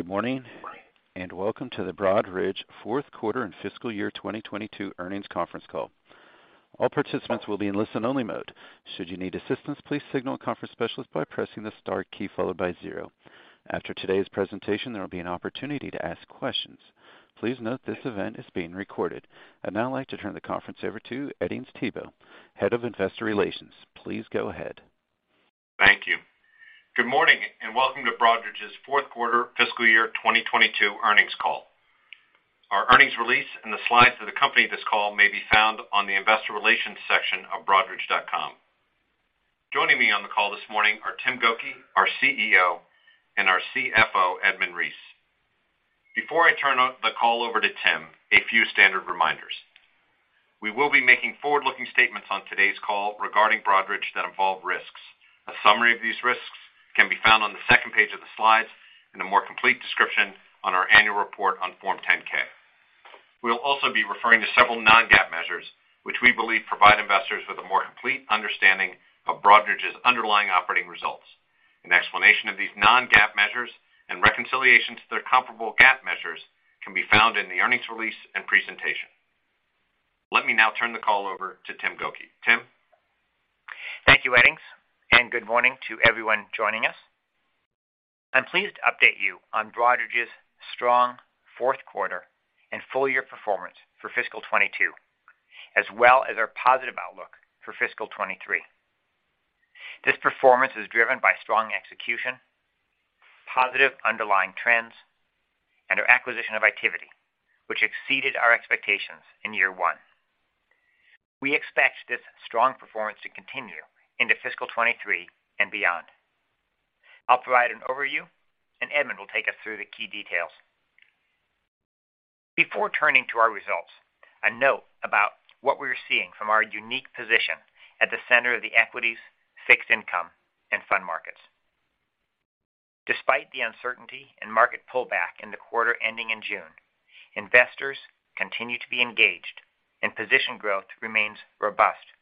Good morning, and welcome to the Broadridge 4th quarter and fiscal year 2022 earnings conference call. All participants will be in listen only mode. Should you need assistance, please signal a conference specialist by pressing the star key followed by zero. After today's presentation, there will be an opportunity to ask questions. Please note this event is being recorded. I'd now like to turn the conference over to Edings Thibault, Head of Investor Relations. Please go ahead. Thank you. Good morning and welcome to Broadridge's 4th quarter fiscal year 2022 earnings call. Our earnings release and the slides that accompany this call may be found on the investor relations section of broadridge.com. Joining me on the call this morning are Tim Gokey, our CEO, and our CFO, Edmund Reese. Before I turn the call over to Tim, a few standard reminders. We will be making forward-looking statements on today's call regarding Broadridge that involve risks. A summary of these risks can be found on the second page of the slides, and a more complete description on our annual report on Form 10-K. We'll also be referring to several non-GAAP measures, which we believe provide investors with a more complete understanding of Broadridge's underlying operating results. An explanation of these non-GAAP measures and reconciliation to their comparable GAAP measures can be found in the earnings release and presentation. Let me now turn the call over to Tim Gokey. Tim. Thank you, Edings, and good morning to everyone joining us. I'm pleased to update you on Broadridge's strong 4th quarter and full year performance for fiscal 2022, as well as our positive outlook for fiscal 2023. This performance is driven by strong execution, positive underlying trends, and our acquisition of Itiviti, which exceeded our expectations in year 1. We expect this strong performance to continue into fiscal 2023 and beyond. I'll provide an overview, and Edmund will take us through the key details. Before turning to our results, a note about what we're seeing from our unique position at the center of the equities, fixed income, and fund markets. Despite the uncertainty and market pullback in the quarter ending in June, investors continue to be engaged and position growth remains robust.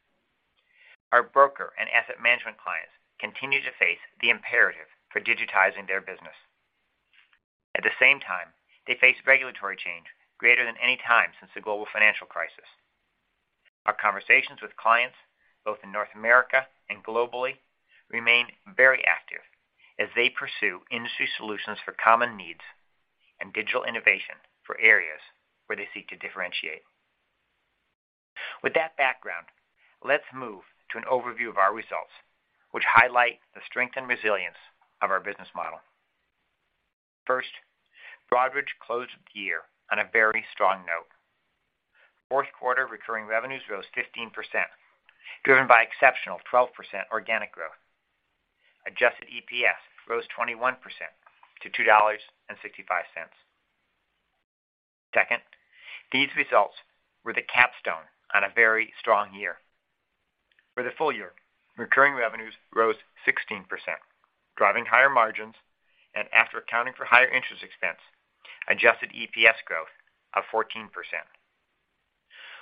Our broker and asset management clients continue to face the imperative for digitizing their business. At the same time, they face regulatory change greater than any time since the global financial crisis. Our conversations with clients, both in North America and globally, remain very active as they pursue industry solutions for common needs and digital innovation for areas where they seek to differentiate. With that background, let's move to an overview of our results, which highlight the strength and resilience of our business model. First, Broadridge closed the year on a very strong note. Fourth quarter recurring revenues rose 15%, driven by exceptional 12% organic growth. Adjusted EPS rose 21% to $2.65. Second, these results were the capstone on a very strong year. For the full year, recurring revenues rose 16%, driving higher margins and after accounting for higher interest expense, adjusted EPS growth of 14%.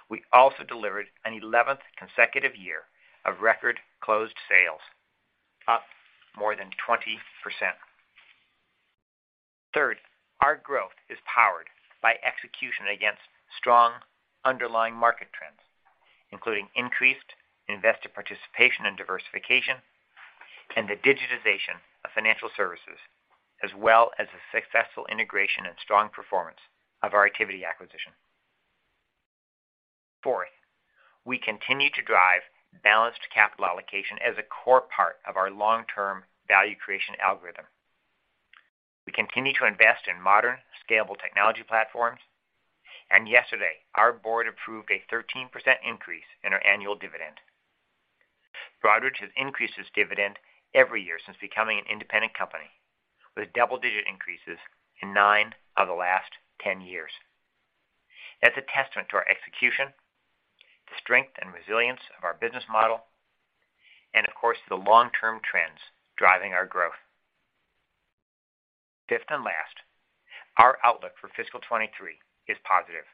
We also delivered an 11th consecutive year of record closed sales, up more than 20%. Third, our growth is powered by execution against strong underlying market trends, including increased investor participation and diversification, and the digitization of financial services, as well as the successful integration and strong performance of our Itiviti acquisition. Fourth, we continue to drive balanced capital allocation as a core part of our long-term value creation algorithm. We continue to invest in modern, scalable technology platforms, and yesterday, our board approved a 13% increase in our annual dividend. Broadridge has increased its dividend every year since becoming an independent company with double-digit increases in 9 of the last 10 years. That's a testament to our execution, the strength and resilience of our business model, and of course, the long-term trends driving our growth. Fifth and last, our outlook for fiscal 2023 is positive.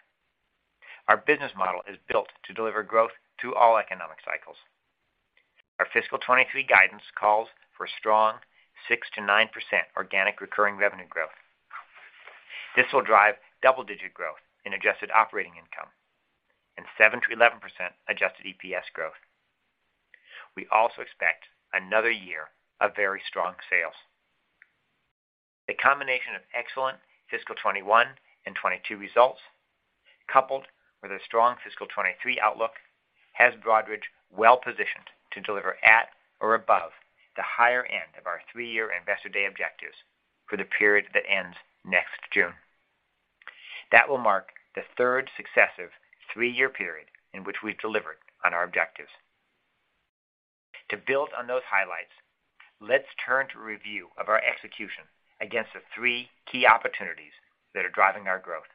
Our business model is built to deliver growth through all economic cycles. Our fiscal 2023 guidance calls for strong 6%-9% organic recurring revenue growth. This will drive double-digit growth in adjusted operating income and 7%-11% adjusted EPS growth. We also expect another year of very strong sales. The combination of excellent fiscal 2021 and 2022 results, coupled with a strong fiscal 2023 outlook, has Broadridge well-positioned to deliver at or above the higher end of our 3-year Investor Day objectives for the period that ends next June. That will mark the 3rd successive 3-year period in which we've delivered on our objectives. To build on those highlights, let's turn to a review of our execution against the 3 key opportunities that are driving our growth.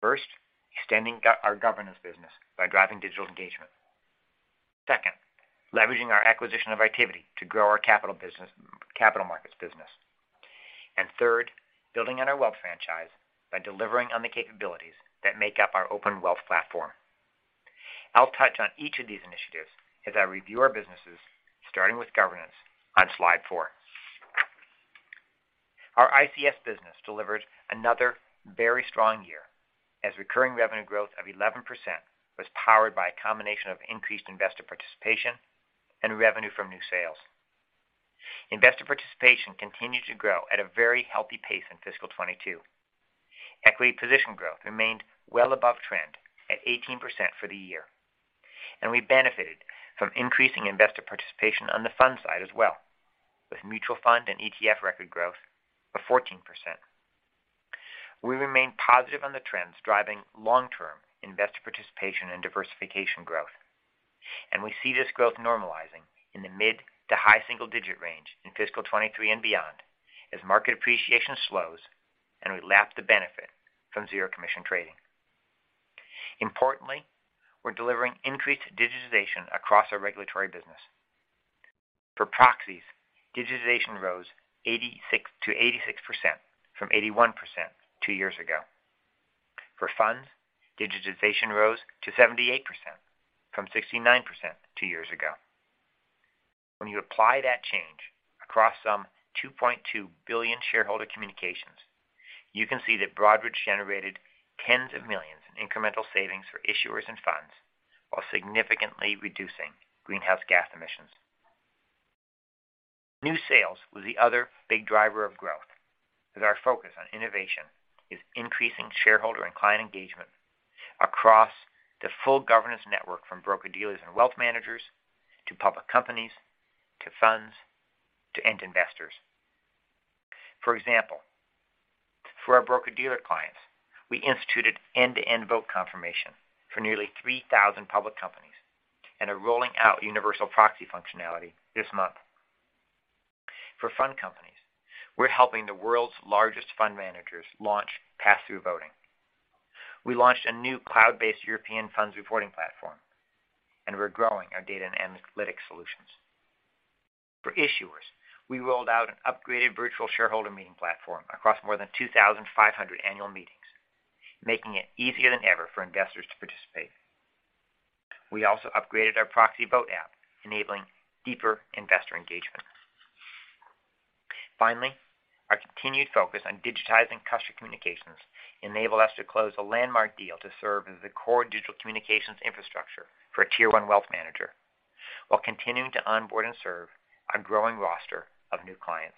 First, extending our governance business by driving digital engagement. Second, leveraging our acquisition of Itiviti to grow our capital markets business. Third, building on our wealth franchise by delivering on the capabilities that make up our open wealth platform. I'll touch on each of these initiatives as I review our businesses, starting with ICS on slide 4. Our ICS business delivered another very strong year as recurring revenue growth of 11% was powered by a combination of increased investor participation and revenue from new sales. Investor participation continued to grow at a very healthy pace in fiscal 2022. Equity position growth remained well above trend at 18% for the year, and we benefited from increasing investor participation on the fund side as well, with mutual fund and ETF position growth of 14%. We remain positive on the trends driving long-term investor participation and diversification growth, and we see this growth normalizing in the mid- to high single-digit range in fiscal 2023 and beyond as market appreciation slows and we lap the benefit from zero commission trading. Importantly, we're delivering increased digitization across our regulatory business. For proxies, digitization rose to 86% from 81% two years ago. For funds, digitization rose to 78% from 69% two years ago. When you apply that change across some 2.2 billion shareholder communications, you can see that Broadridge generated $10s of millions in incremental savings for issuers and funds while significantly reducing greenhouse gas emissions. New sales was the other big driver of growth as our focus on innovation is increasing shareholder and client engagement across the full governance network from broker-dealers and wealth managers to public companies to funds to end investors. For example, for our broker-dealer clients, we instituted end-to-end vote confirmation for nearly 3,000 public companies and are rolling out universal proxy functionality this month. For fund companies, we're helping the world's largest fund managers launch pass-through voting. We launched a new cloud-based European funds reporting platform, and we're growing our data and analytics solutions. For issuers, we rolled out an upgraded Virtual Shareholder Meeting platform across more than 2,500 annual meetings, making it easier than ever for investors to participate. We also upgraded our ProxyVote App, enabling deeper investor engagement. Finally, our continued focus on digitizing customer communications enabled us to close a landmark deal to serve as the core digital communications infrastructure for a tier 1 wealth manager while continuing to onboard and serve our growing roster of new clients.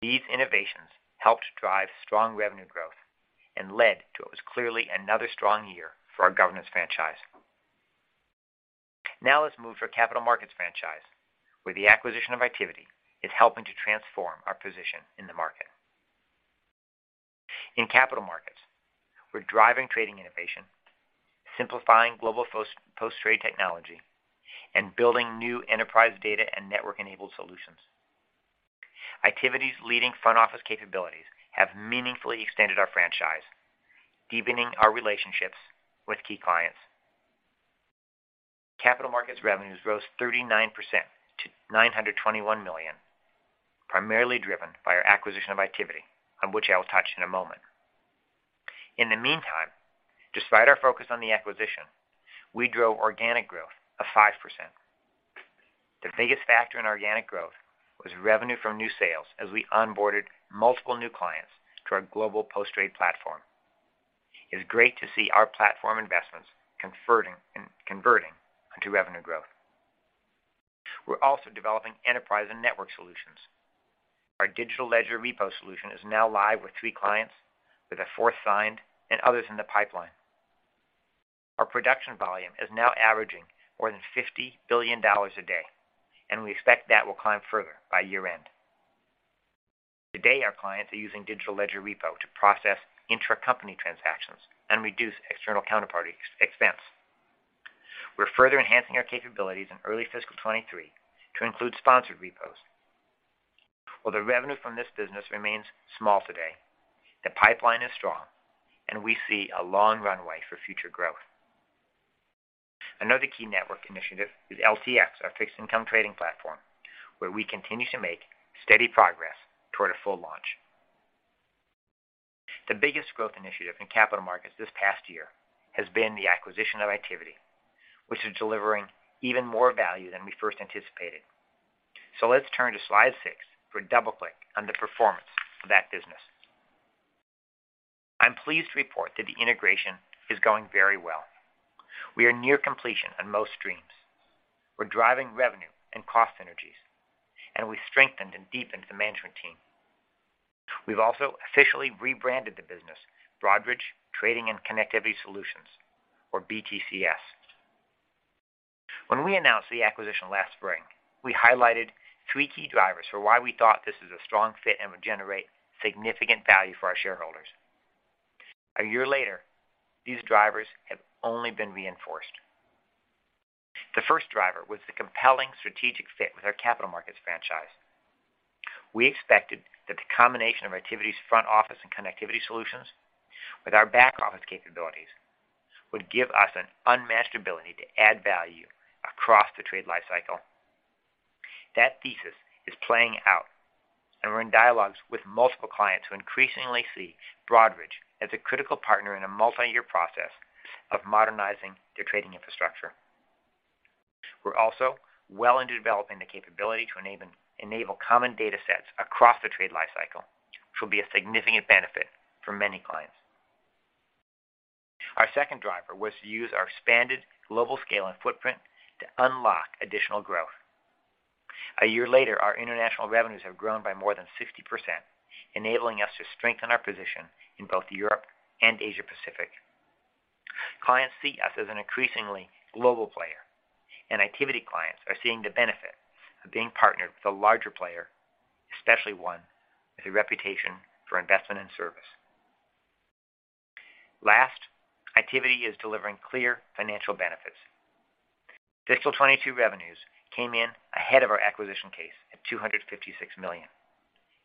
These innovations helped drive strong revenue growth and led to what was clearly another strong year for our governance franchise. Now let's move to our capital markets franchise, where the acquisition of Itiviti is helping to transform our position in the market. In capital markets, we're driving trading innovation, simplifying global post trade technology, and building new enterprise data and network-enabled solutions. Itiviti's leading front office capabilities have meaningfully extended our franchise, deepening our relationships with key clients. Capital markets revenues rose 39% to $921 million, primarily driven by our acquisition of Itiviti, on which I will touch in a moment. In the meantime, despite our focus on the acquisition, we drove organic growth of 5%. The biggest factor in organic growth was revenue from new sales as we onboarded multiple new clients to our global post-trade platform. It's great to see our platform investments converting to revenue growth. We're also developing enterprise and network solutions. Our Distributed Ledger Repo solution is now live with 3 clients, with a fourth signed and others in the pipeline. Our production volume is now averaging more than $50 billion a day, and we expect that will climb further by year-end. Today, our clients are using Distributed Ledger Repo to process intra-company transactions and reduce external counterparty expense. We're further enhancing our capabilities in early fiscal 2023 to include sponsored repos. While the revenue from this business remains small today, the pipeline is strong, and we see a long runway for future growth. Another key network initiative is LX, our fixed income trading platform, where we continue to make steady progress toward a full launch. The biggest growth initiative in capital markets this past year has been the acquisition of Itiviti, which is delivering even more value than we first anticipated. Let's turn to slide 6 for a double-click on the performance of that business. I'm pleased to report that the integration is going very well. We are near completion on most streams. We're driving revenue and cost synergies, and we strengthened and deepened the management team. We've also officially rebranded the business Broadridge Trading and Connectivity Solutions or BTCS. When we announced the acquisition last spring, we highlighted 3 key drivers for why we thought this was a strong fit and would generate significant value for our shareholders. A year later, these drivers have only been reinforced. The first driver was the compelling strategic fit with our capital markets franchise. We expected that the combination of Itiviti's front office and connectivity solutions with our back-office capabilities would give us an unmatched ability to add value across the trade life cycle. That thesis is playing out, and we're in dialogues with multiple clients who increasingly see Broadridge as a critical partner in a multi-year process of modernizing their trading infrastructure. We're also well into developing the capability to enable common data sets across the trade life cycle, which will be a significant benefit for many clients. Our second driver was to use our expanded global scale and footprint to unlock additional growth. A year later, our international revenues have grown by more than 60%, enabling us to strengthen our position in both Europe and Asia Pacific. Clients see us as an increasingly global player, and Itiviti clients are seeing the benefit of being partnered with a larger player, especially one with a reputation for investment and service. Last, Itiviti is delivering clear financial benefits. Fiscal 2022 revenues came in ahead of our acquisition case at $256 million,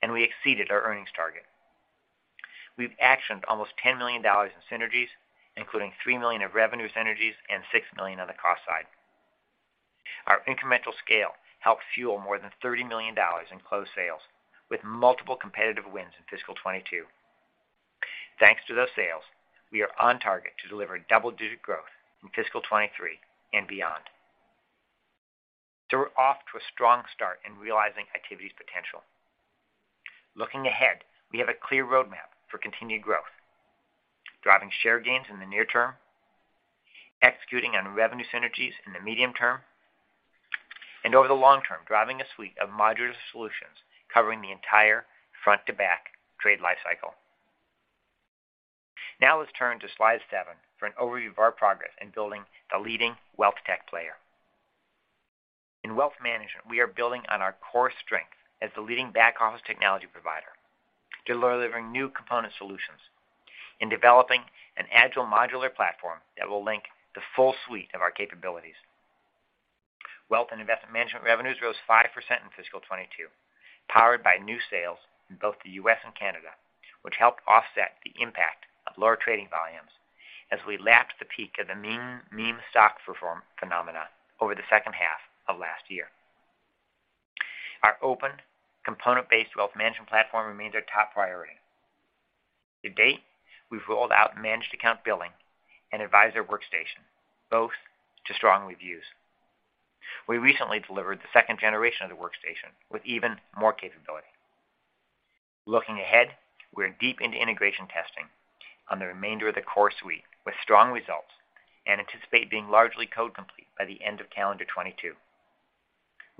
and we exceeded our earnings target. We've actioned almost $10 million in synergies, including $3 million of revenue synergies and $6 million on the cost side. Our incremental scale helped fuel more than $30 million in closed sales, with multiple competitive wins in Fiscal 2022. Thanks to those sales, we are on target to deliver double-digit growth in fiscal 2023 and beyond. We're off to a strong start in realizing Itiviti's potential. Looking ahead, we have a clear roadmap for continued growth, driving share gains in the near term, executing on revenue synergies in the medium term, and over the long term, driving a suite of modular solutions covering the entire front to back trade life cycle. Now let's turn to slide 7 for an overview of our progress in building the leading wealth tech player. In wealth management, we are building on our core strength as the leading back office technology provider. Delivering new component solutions and developing an agile modular platform that will link the full suite of our capabilities. Wealth and investment management revenues rose 5% in fiscal 2022, powered by new sales in both the US and Canada, which helped offset the impact of lower trading volumes as we lapped the peak of the meme stock performance phenomena over the second half of last year. Our open component-based wealth management platform remains our top priority. To date, we've rolled out managed account billing and Advisor Workstation, both to strong reviews. We recently delivered the 2nd generation of the workstation with even more capability. Looking ahead, we're deep into integration testing on the remainder of the core suite with strong results and anticipate being largely code complete by the end of calendar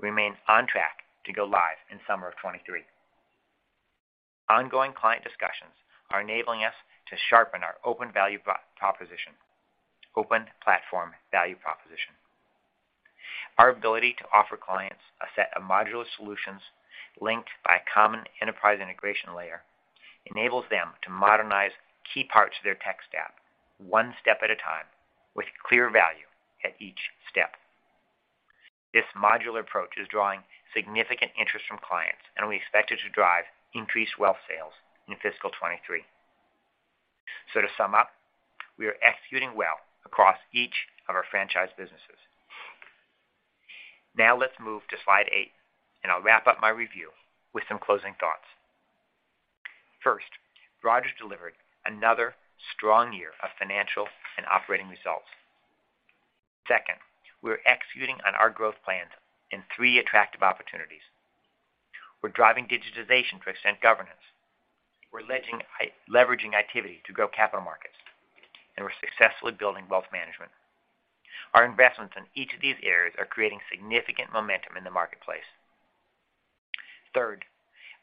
2022. Remains on track to go live in summer of 2023. Ongoing client discussions are enabling us to sharpen our open value proposition, open platform value proposition. Our ability to offer clients a set of modular solutions linked by a common enterprise integration layer enables them to modernize key parts of their tech stack one step at a time with clear value at each step. This modular approach is drawing significant interest from clients, and we expect it to drive increased wealth sales in fiscal 2023. To sum up, we are executing well across each of our franchise businesses. Now let's move to slide 8, and I'll wrap up my review with some closing thoughts. First, Broadridge delivered another strong year of financial and operating results. Second, we're executing on our growth plans in 3 attractive opportunities. We're driving digitization to extend governance. We're leveraging Itiviti, to grow capital markets, and we're successfully building wealth management. Our investments in each of these areas are creating significant momentum in the marketplace. Third,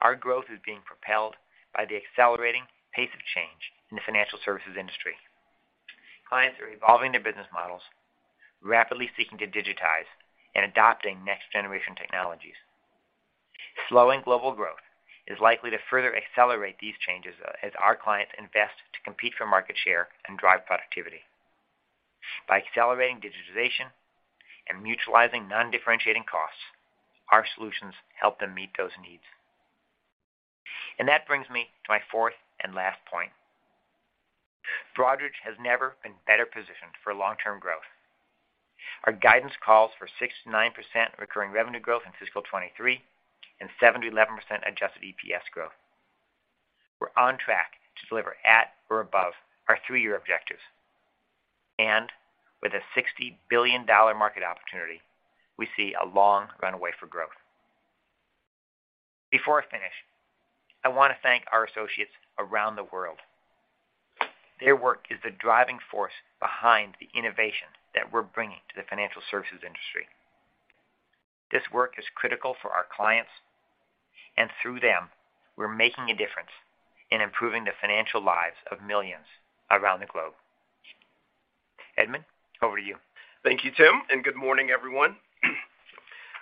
our growth is being propelled by the accelerating pace of change in the financial services industry. Clients are evolving their business models, rapidly seeking to digitize and adopting next-generation technologies. Slowing global growth is likely to further accelerate these changes as our clients invest to compete for market share and drive productivity. By accelerating digitization and mutualizing non-differentiating costs, our solutions help them meet those needs. That brings me to my fourth and last point. Broadridge has never been better positioned for long-term growth. Our guidance calls for 6%-9% recurring revenue growth in fiscal 2023 and 7%-11% adjusted EPS growth. We're on track to deliver at or above our 3-year objectives. With a $60 billion market opportunity, we see a long runway for growth. Before I finish, I want to thank our associates around the world. Their work is the driving force behind the innovation that we're bringing to the financial services industry. This work is critical for our clients, and through them, we're making a difference in improving the financial lives of millions around the globe. Edmund, over to you. Thank you, Tim, and good morning, everyone.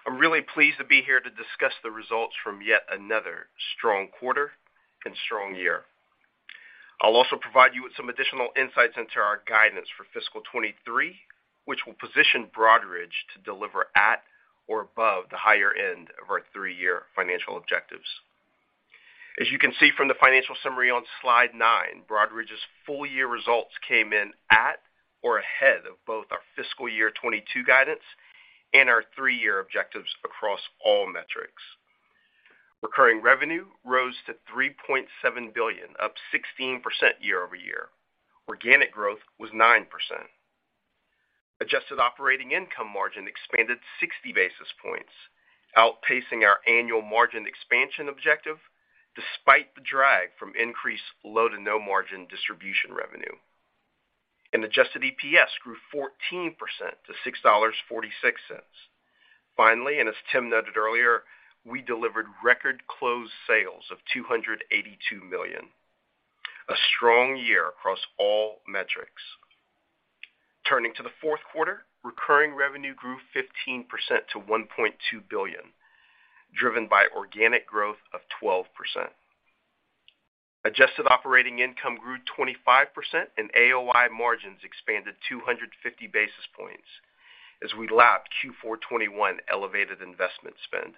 I'm really pleased to be here to discuss the results from yet another strong quarter and strong year. I'll also provide you with some additional insights into our guidance for fiscal 2023, which will position Broadridge to deliver at or above the higher end of our three-year financial objectives. As you can see from the financial summary on slide 9, Broadridge's full year results came in at or ahead of both our fiscal year 2022 guidance and our three-year objectives across all metrics. Recurring revenue rose to $3.7 billion, up 16% year-over-year. Organic growth was 9%. Adjusted operating income margin expanded 60 basis points, outpacing our annual margin expansion objective despite the drag from increased low to no margin distribution revenue. Adjusted EPS grew 14% to $6.46. Finally, and as Tim noted earlier, we delivered record closed sales of $282 million. A strong year across all metrics. Turning to the 4th quarter, recurring revenue grew 15% to $1.2 billion, driven by organic growth of 12%. Adjusted operating income grew 25% and AOI margins expanded 250 basis points as we lapped Q4 2021 elevated investment spend.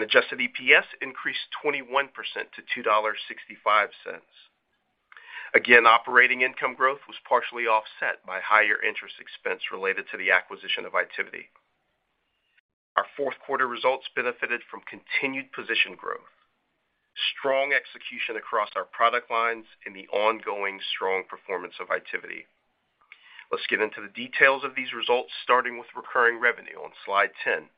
Adjusted EPS increased 21% to $2.65. Again, operating income growth was partially offset by higher interest expense related to the acquisition of Itiviti. Our 4th quarter results benefited from continued position growth, strong execution across our product lines, and the ongoing strong performance of Itiviti. Let's get into the details of these results, starting with recurring revenue on Slide 10.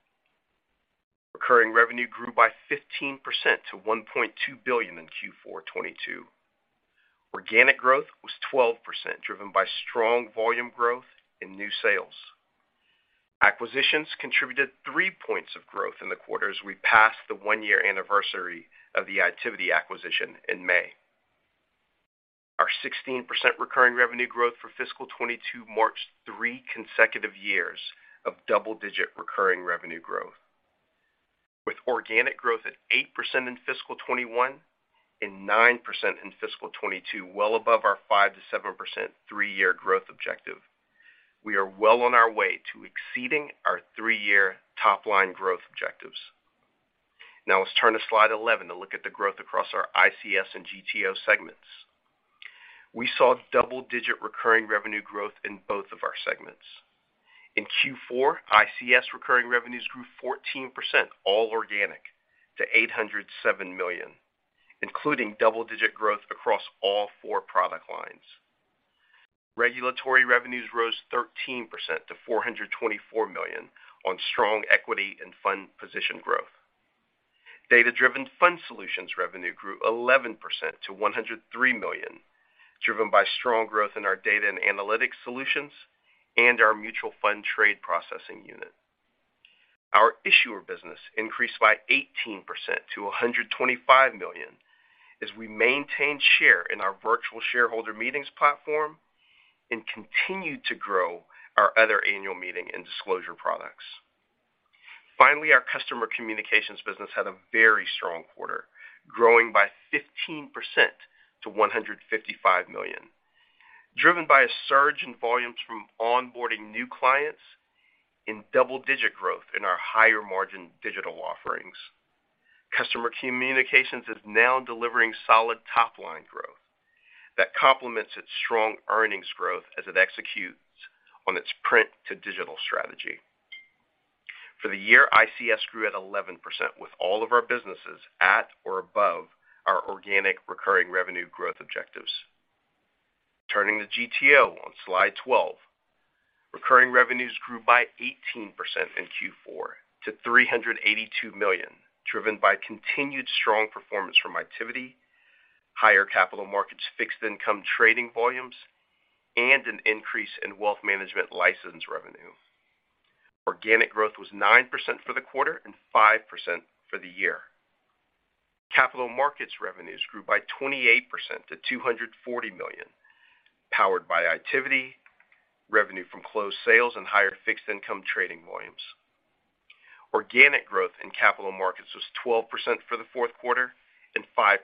Recurring revenue grew by 15% to $1.2 billion in Q4 2022. Organic growth was 12%, driven by strong volume growth in new sales. Acquisitions contributed 3 points of growth in the quarter as we passed the 1-year anniversary of the Itiviti acquisition in May. Our 16% recurring revenue growth for fiscal 2022 marks 3 consecutive years of double-digit recurring revenue growth, with organic growth at 8% in fiscal 2021 and 9% in fiscal 2022, well above our 5%-7% 3-year growth objective. We are well on our way to exceeding our 3-year top-line growth objectives. Now let's turn to slide 11 to look at the growth across our ICS and GTO segments. We saw double-digit recurring revenue growth in both of our segments. In Q4, ICS recurring revenues grew 14%, all organic, to $807 million, including double-digit growth across all four product lines. Regulatory revenues rose 13% to $424 million on strong equity and fund position growth. Data-driven fund solutions revenue grew 11% to $103 million, driven by strong growth in our data and analytics solutions and our mutual fund trade processing unit. Our issuer business increased by 18% to $125 million as we maintained share in our virtual shareholder meetings platform and continued to grow our other annual meeting and disclosure products. Finally, our customer communications business had a very strong quarter, growing by 15% to $155 million, driven by a surge in volumes from onboarding new clients in double-digit growth in our higher margin digital offerings. Customer communications is now delivering solid top-line growth that complements its strong earnings growth as it executes on its print to digital strategy. For the year, ICS grew at 11% with all of our businesses at or above our organic recurring revenue growth objectives. Turning to GTO on slide 12. Recurring revenues grew by 18% in Q4 to $382 million, driven by continued strong performance from Itiviti, higher capital markets fixed income trading volumes, and an increase in wealth management license revenue. Organic growth was 9% for the quarter and 5% for the year. Capital markets revenues grew by 28% to $240 million, powered by Itiviti, revenue from closed sales and higher fixed income trading volumes. Organic growth in capital markets was 12% for the 4th quarter and 5%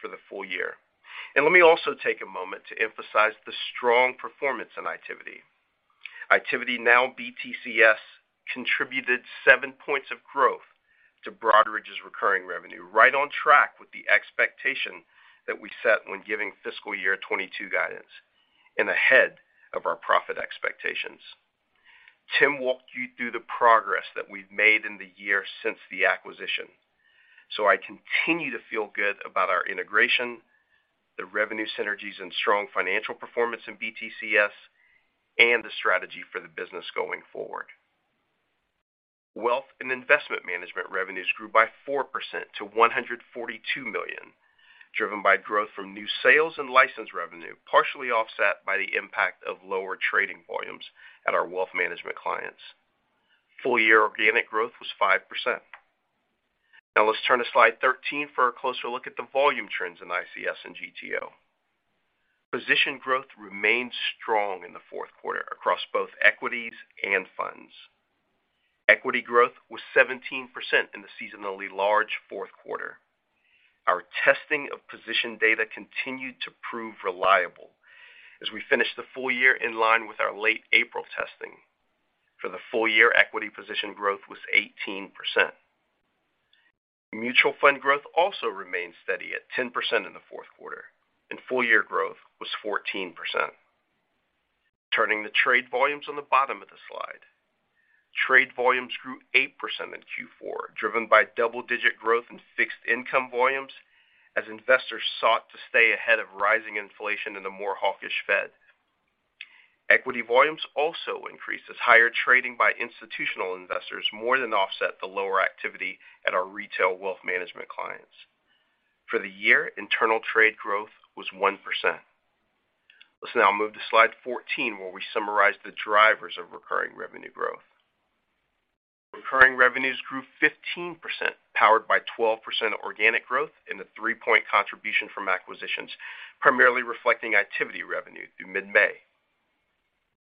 for the full year. Let me also take a moment to emphasize the strong performance in Itiviti. Itiviti, now BTCS, contributed 7 points of growth to Broadridge's recurring revenue, right on track with the expectation that we set when giving fiscal year 2022 guidance and ahead of our profit expectations. Tim walked you through the progress that we've made in the year since the acquisition. I continue to feel good about our integration, the revenue synergies and strong financial performance in BTCS, and the strategy for the business going forward. Wealth and Investment Management revenues grew by 4% to $142 million, driven by growth from new sales and license revenue, partially offset by the impact of lower trading volumes at our wealth management clients. Full year organic growth was 5%. Now let's turn to slide 13 for a closer look at the volume trends in ICS and GTO. Position growth remained strong in the 4th quarter across both equities and funds. Equity growth was 17% in the seasonally large 4th quarter. Our testing of position data continued to prove reliable as we finished the full year in line with our late April testing. For the full year, equity position growth was 18%. Mutual fund growth also remained steady at 10% in the 4th quarter, and full year growth was 14%. Turning to trade volumes on the bottom of the slide. Trade volumes grew 8% in Q4, driven by double-digit growth in fixed income volumes as investors sought to stay ahead of rising inflation in a more hawkish Fed. Equity volumes also increased as higher trading by institutional investors more than offset the lower Itiviti at our retail wealth management clients. For the year, internal trade growth was 1%. Let's now move to slide 14, where we summarize the drivers of recurring revenue growth. Recurring revenues grew 15%, powered by 12% organic growth and a 3-point contribution from acquisitions, primarily reflecting Itiviti revenue through mid-May.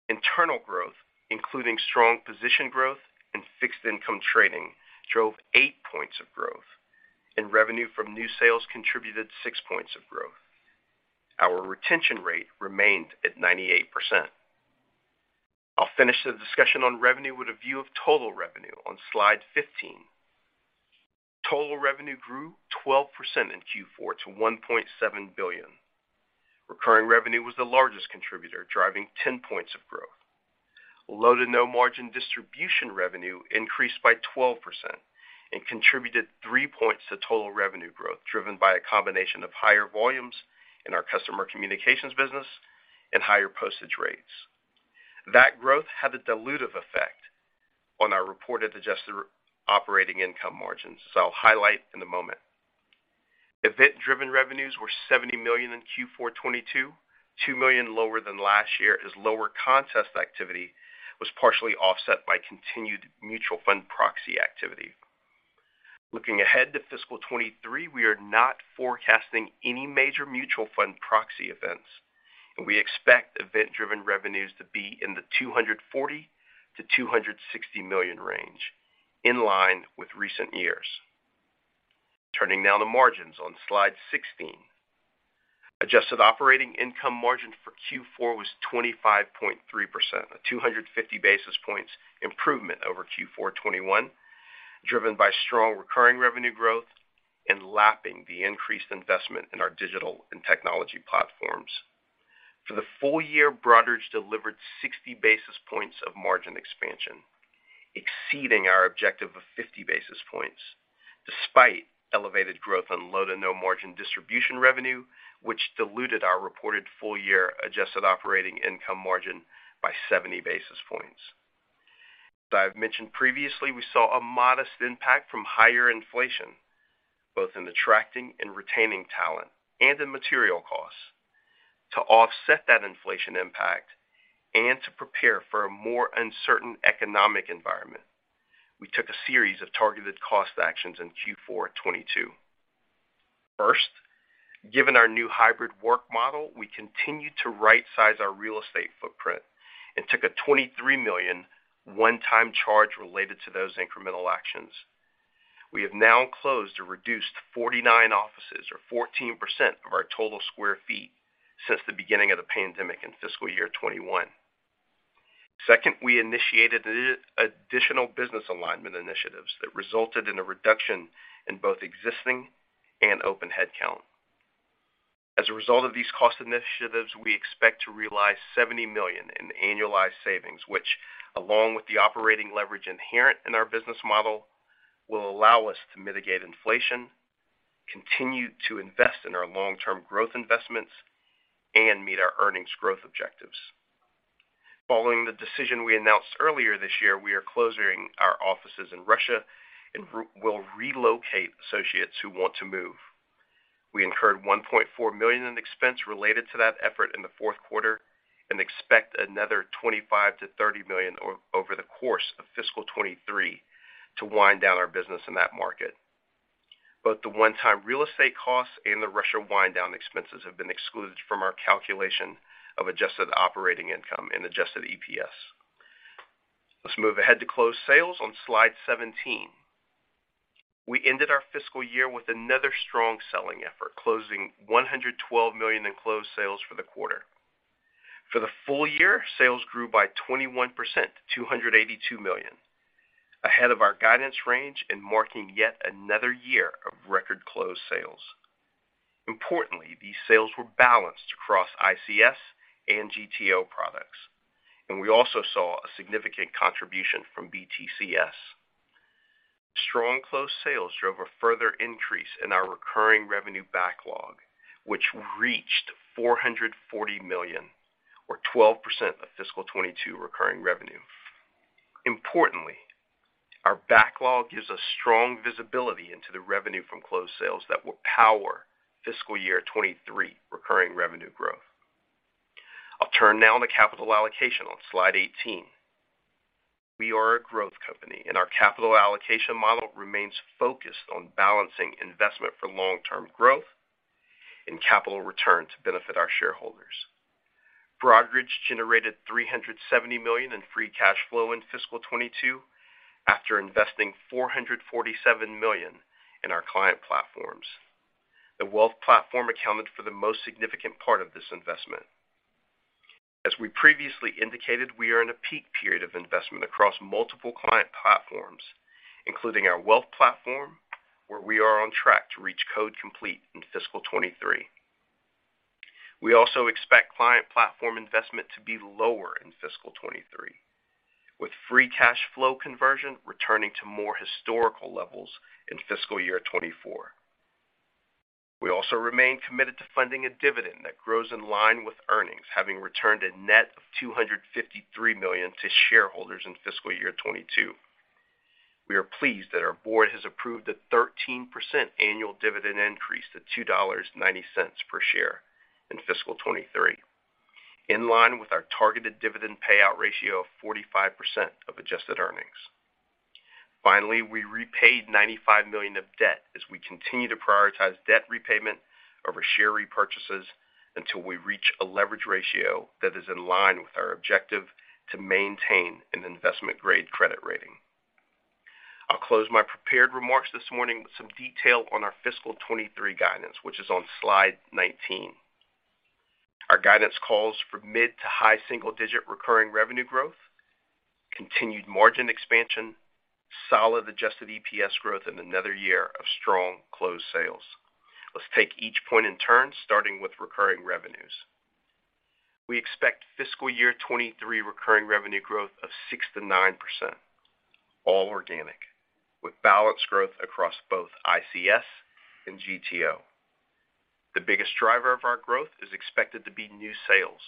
Internal growth, including strong position growth and fixed income trading, drove 8 points of growth, and revenue from new sales contributed 6 points of growth. Our retention rate remained at 98%. I'll finish the discussion on revenue with a view of total revenue on Slide 15. Total revenue grew 12% in Q4 to $1.7 billion. Recurring revenue was the largest contributor, driving 10 points of growth. Low to no margin distribution revenue increased by 12% and contributed 3 points to total revenue growth, driven by a combination of higher volumes in our customer communications business and higher postage rates. That growth had a dilutive effect on our reported adjusted operating income margins, as I'll highlight in a moment. Event-driven revenues were $70 million in Q4 2022, $2 million lower than last year, as lower contested activity was partially offset by continued mutual fund proxy activity. Looking ahead to fiscal 2023, we are not forecasting any major mutual fund proxy events, and we expect event-driven revenues to be in the $240 million-$260 million range, in line with recent years. Turning now to margins on Slide 16. Adjusted operating income margin for Q4 was 25.3%, a 250 basis points improvement over Q4 2021, driven by strong recurring revenue growth and lapping the increased investment in our digital and technology platforms. For the full year, Broadridge delivered 60 basis points of margin expansion, exceeding our objective of 50 basis points, despite elevated growth on low to no margin distribution revenue, which diluted our reported full year adjusted operating income margin by 70 basis points. As I've mentioned previously, we saw a modest impact from higher inflation, both in attracting and retaining talent and in material costs. To offset that inflation impact and to prepare for a more uncertain economic environment, we took a series of targeted cost actions in Q4 2022. First, given our new hybrid work model, we continued to right-size our real estate footprint and took a $23 million 1-time charge related to those incremental actions. We have now closed or reduced 49 offices or 14% of our total square feet since the beginning of the pandemic in fiscal year 2021. Second, we initiated additional business alignment initiatives that resulted in a reduction in both existing and open headcount. As a result of these cost initiatives, we expect to realize $70 million in annualized savings, which, along with the operating leverage inherent in our business model, will allow us to mitigate inflation, continue to invest in our long-term growth investments, and meet our earnings growth objectives. Following the decision we announced earlier this year, we are closing our offices in Russia and we'll relocate associates who want to move. We incurred $1.4 million in expense related to that effort in the 4th quarter and expect another $25 million-$30 million over the course of fiscal 2023 to wind down our business in that market. Both the 1-time real estate costs and the Russia wind down expenses have been excluded from our calculation of adjusted operating income and adjusted EPS. Let's move ahead to closed sales on slide 17. We ended our fiscal year with another strong selling effort, closing $112 million in closed sales for the quarter. For the full year, sales grew by 21% to $282 million, ahead of our guidance range and marking yet another year of record closed sales. Importantly, these sales were balanced across ICS and GTO products, and we also saw a significant contribution from BTCS. Strong closed sales drove a further increase in our recurring revenue backlog, which reached $440 million or 12% of fiscal 2022 recurring revenue. Importantly, our backlog gives us strong visibility into the revenue from closed sales that will power fiscal year 2023 recurring revenue growth. I'll turn now to capital allocation on Slide 18. We are a growth company, and our capital allocation model remains focused on balancing investment for long-term growth and capital return to benefit our shareholders. Broadridge generated $370 million in free cash flow in fiscal 2022 after investing $447 million in our client platforms. The wealth platform accounted for the most significant part of this investment. As we previously indicated, we are in a peak period of investment across multiple client platforms, including our wealth platform, where we are on track to reach code complete in fiscal 2023. We also expect client platform investment to be lower in fiscal 2023, with free cash flow conversion returning to more historical levels in fiscal year 2024. We remain committed to funding a dividend that grows in line with earnings, having returned a net of $253 million to shareholders in fiscal year 2022. We are pleased that our board has approved a 13% annual dividend increase to $2.90 per share in fiscal 2023, in line with our targeted dividend payout ratio of 45% of adjusted earnings. Finally, we repaid $95 million of debt as we continue to prioritize debt repayment over share repurchases until we reach a leverage ratio that is in line with our objective to maintain an investment grade credit rating. I'll close my prepared remarks this morning with some detail on our fiscal 2023 guidance, which is on slide 19. Our guidance calls for mid- to high single-digit recurring revenue growth, continued margin expansion, solid adjusted EPS growth, and another year of strong closed sales. Let's take each point in turn, starting with recurring revenues. We expect fiscal year 2023 recurring revenue growth of 6%-9%, all organic, with balanced growth across both ICS and GTO. The biggest driver of our growth is expected to be new sales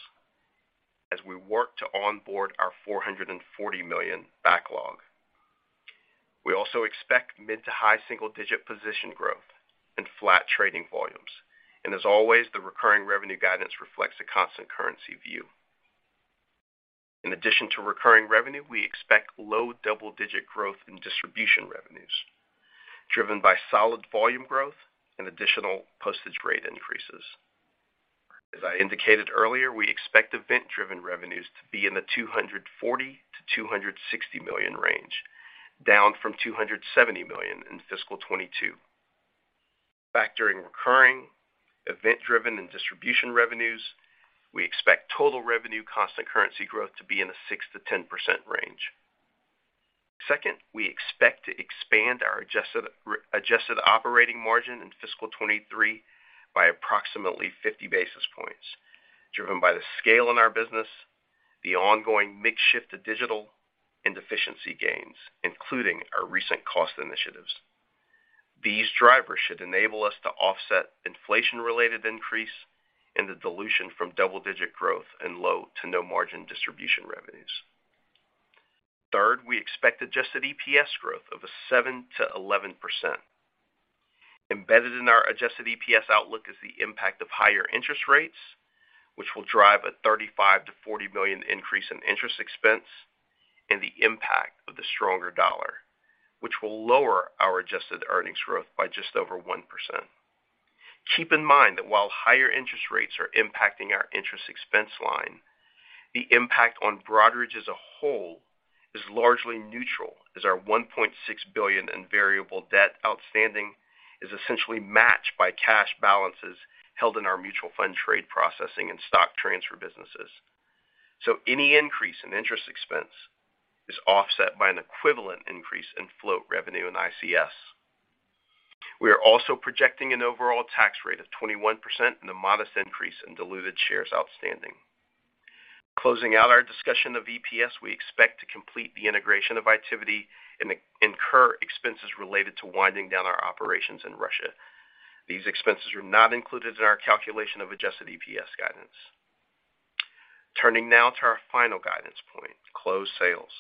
as we work to onboard our 440 million backlog. We also expect mid- to high single-digit position growth and flat trading volumes. As always, the recurring revenue guidance reflects a constant currency view. In addition to recurring revenue, we expect low double-digit growth in distribution revenues driven by solid volume growth and additional postage rate increases. As I indicated earlier, we expect event-driven revenues to be in the $240 million-$260 million range, down from $270 million in fiscal 2022. Factoring recurring, event-driven, and distribution revenues, we expect total revenue constant currency growth to be in the 6%-10% range. Second, we expect to expand our adjusted operating margin in fiscal 2023 by approximately 50 basis points, driven by the scale in our business, the ongoing mix shift to digital and efficiency gains, including our recent cost initiatives. These drivers should enable us to offset inflation-related increase and the dilution from double-digit growth and low to no margin distribution revenues. Third, we expect adjusted EPS growth of 7%-11%. Embedded in our adjusted EPS outlook is the impact of higher interest rates, which will drive a $35 million-$40 million increase in interest expense and the impact of the stronger dollar, which will lower our adjusted earnings growth by just over 1%. Keep in mind that while higher interest rates are impacting our interest expense line, the impact on Broadridge as a whole is largely neutral as our $1.6 billion in variable debt outstanding is essentially matched by cash balances held in our mutual fund trade processing and stock transfer businesses. Any increase in interest expense is offset by an equivalent increase in float revenue in ICS. We are also projecting an overall tax rate of 21% and a modest increase in diluted shares outstanding. Closing out our discussion of EPS, we expect to complete the integration of Itiviti and incur expenses related to winding down our operations in Russia. These expenses are not included in our calculation of adjusted EPS guidance. Turning now to our final guidance point, closed sales.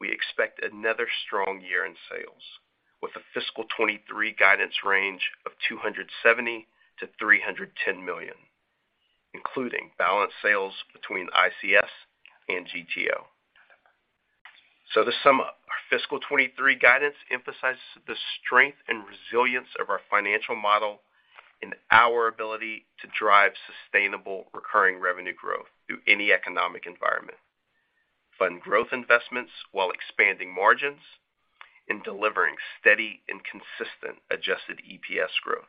We expect another strong year in sales with a fiscal 2023 guidance range of $270 million-$310 million, including balanced sales between ICS and GTO. To sum up, our fiscal 2023 guidance emphasizes the strength and resilience of our financial model and our ability to drive sustainable recurring revenue growth through any economic environment, fund growth investments while expanding margins, and delivering steady and consistent adjusted EPS growth,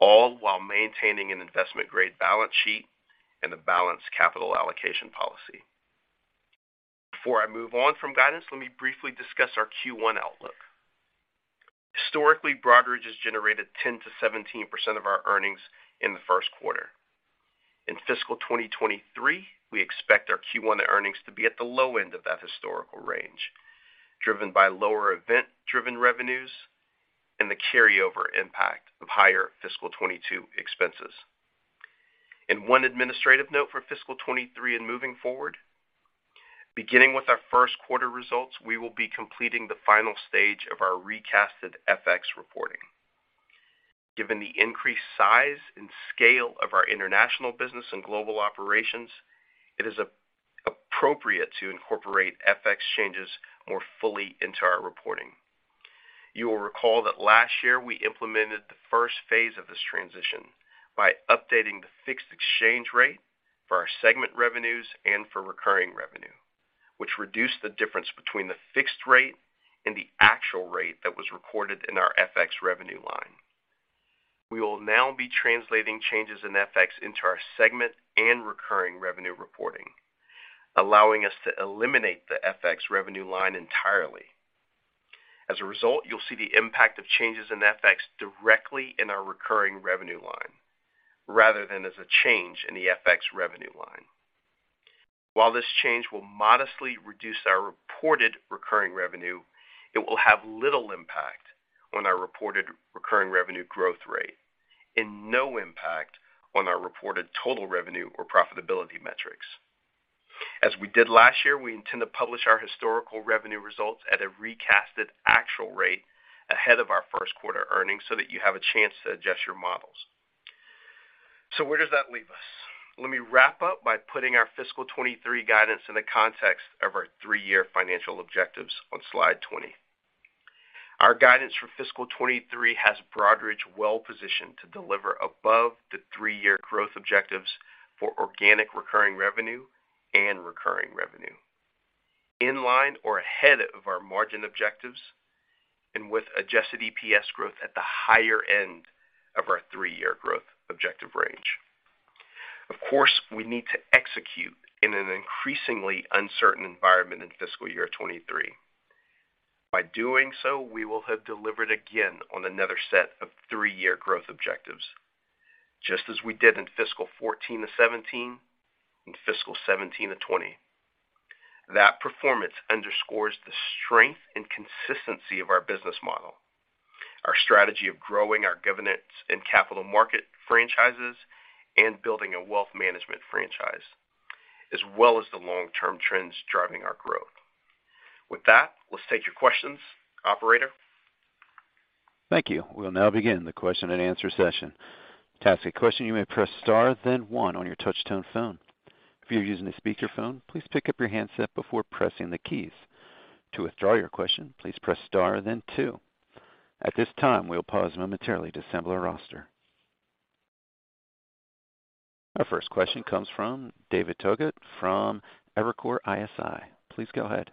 all while maintaining an investment-grade balance sheet and a balanced capital allocation policy. Before I move on from guidance, let me briefly discuss our Q1 outlook. Historically, Broadridge has generated 10%-17% of our earnings in the 1st quarter. In fiscal 2023, we expect our Q1 earnings to be at the low end of that historical range, driven by lower event-driven revenues and the carryover impact of higher fiscal 2022 expenses. In one administrative note for fiscal 2023 and moving forward, beginning with our 1st quarter results, we will be completing the final stage of our recast FX reporting. Given the increased size and scale of our international business and global operations, it is appropriate to incorporate FX changes more fully into our reporting. You will recall that last year we implemented the first phase of this transition by updating the fixed exchange rate for our segment revenues and for recurring revenue, which reduced the difference between the fixed rate and the actual rate that was recorded in our FX revenue line. We will now be translating changes in FX into our segment and recurring revenue reporting, allowing us to eliminate the FX revenue line entirely. As a result, you'll see the impact of changes in FX directly in our recurring revenue line rather than as a change in the FX revenue line. While this change will modestly reduce our reported recurring revenue, it will have little impact on our reported recurring revenue growth rate and no impact on our reported total revenue or profitability metrics. As we did last year, we intend to publish our historical revenue results at a recast actual rate ahead of our 1st quarter earnings so that you have a chance to adjust your models. Where does that leave us? Let me wrap up by putting our fiscal 2023 guidance in the context of our 3 -year financial objectives on slide 20. Our guidance for fiscal 2023 has Broadridge well positioned to deliver above the 3-year growth objectives for organic recurring revenue and recurring revenue, in line or ahead of our margin objectives, and with adjusted EPS growth at the higher end of our 3-year growth objective range. Of course, we need to execute in an increasingly uncertain environment in fiscal year 2023. By doing so, we will have delivered again on another set of 3-year growth objectives, just as we did in fiscal 2014 to 2017 and fiscal 2017 to 2020. That performance underscores the strength and consistency of our business model, our strategy of growing our governance and capital market franchises, and building a wealth management franchise, as well as the long-term trends driving our growth. With that, let's take your questions. Operator. Thank you. We'll now begin the question-and-answer session. To ask a question, you may press Star then 1 on your Touch-Tone phone. If you're using a speakerphone, please pick up your handset before pressing the keys. To withdraw your question, please press Star then two. At this time, we'll pause momentarily to assemble our roster. Our first question comes from David Togut from Evercore ISI. Please go ahead.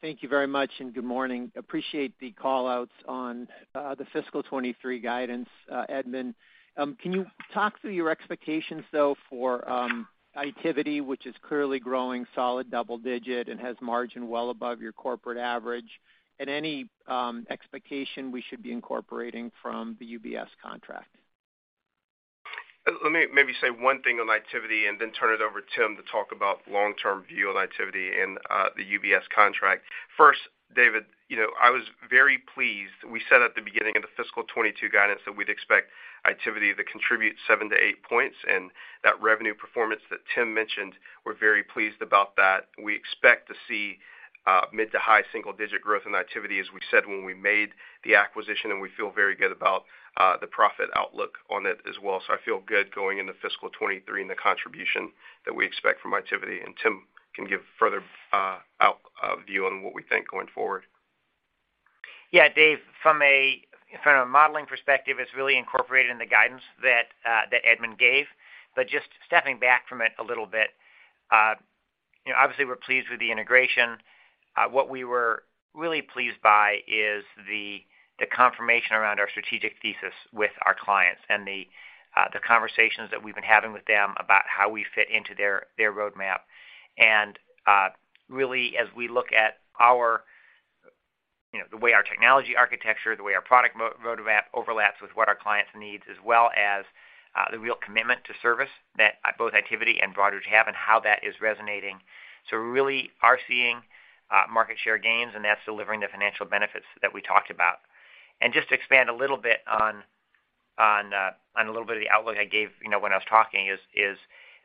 Thank you very much, and good morning. Appreciate the call-outs on the fiscal 2023 guidance, Edmund. Can you talk through your expectations, though, for Itiviti, which is clearly growing solid double digit and has margin well above your corporate average, and any expectation we should be incorporating from the UBS contract? Let me maybe say one thing on Itiviti and then turn it over to Tim to talk about long-term view on Itiviti and the UBS contract. First, David, you know, I was very pleased. We said at the beginning of the fiscal 2022 guidance that we'd expect Itiviti to contribute 7-8 points. That revenue performance that Tim mentioned, we're very pleased about that. We expect to see mid to high single-digit growth in Itiviti, as we said when we made the acquisition, and we feel very good about the profit outlook on it as well. I feel good going into fiscal 2023 and the contribution that we expect from Itiviti, and Tim can give further view on what we think going forward. Yeah, Dave, from a modeling perspective, it's really incorporated in the guidance that Edmund gave. Just stepping back from it a little bit, you know, obviously we're pleased with the integration. What we were really pleased by is the confirmation around our strategic thesis with our clients and the conversations that we've been having with them about how we fit into their roadmap. Really, as we look at our, you know, the way our technology architecture, the way our product roadmap overlaps with what our clients needs, as well as the real commitment to service that both Itiviti and Broadridge have and how that is resonating. We really are seeing market share gains, and that's delivering the financial benefits that we talked about. Just to expand a little bit on a little bit of the outlook I gave, you know, when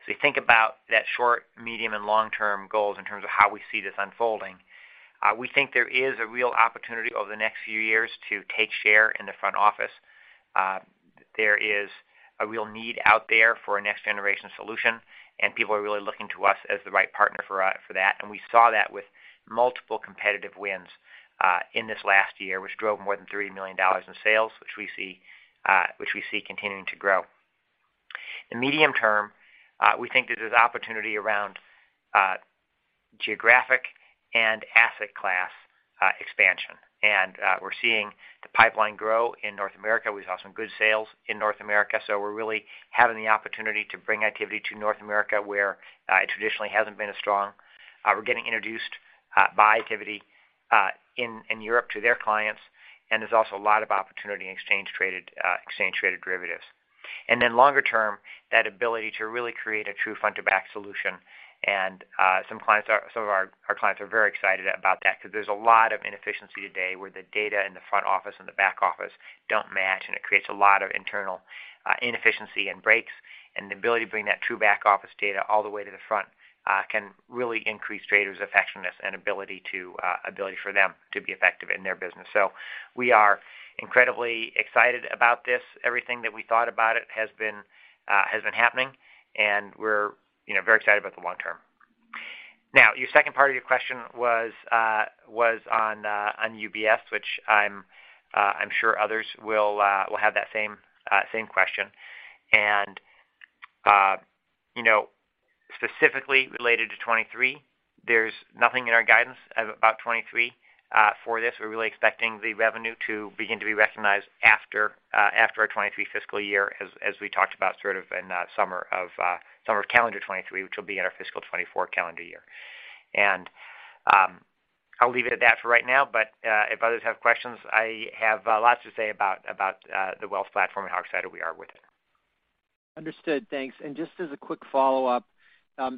I was talking, as we think about that short, medium, and long-term goals in terms of how we see this unfolding, we think there is a real opportunity over the next few years to take share in the front office. There is a real need out there for a next-generation solution, and people are really looking to us as the right partner for that. We saw that with multiple competitive wins in this last year, which drove more than $30 million in sales, which we see continuing to grow. In the medium term, we think there's an opportunity around geographic and asset class expansion. We're seeing the pipeline grow in North America. We saw some good sales in North America, so we're really having the opportunity to bring Itiviti to North America, where it traditionally hasn't been as strong. We're getting introduced by Itiviti in Europe to their clients, and there's also a lot of opportunity in exchange traded derivatives. Longer term, that ability to really create a true front-to-back solution, and some of our clients are very excited about that because there's a lot of inefficiency today where the data in the front office and the back office don't match, and it creates a lot of internal inefficiency and breaks. The ability to bring that true back-office data all the way to the front can really increase traders' effectiveness and ability for them to be effective in their business. We are incredibly excited about this. Everything that we thought about it has been happening, and we're, you know, very excited about the long term. Now, your second part of your question was on UBS, which I'm sure others will have that same question. You know, specifically related to 2023, there's nothing in our guidance about 2023 for this. We're really expecting the revenue to begin to be recognized after our 2023 fiscal year as we talked about sort of in that summer of calendar 2023, which will be in our fiscal 2024 calendar year. I'll leave it at that for right now. If others have questions, I have lots to say about the wealth platform and how excited we are with it. Understood. Thanks. Just as a quick follow-up,